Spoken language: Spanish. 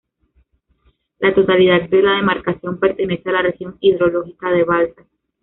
La totalidad de la demarcación pertenece a la región hidrológica del Balsas.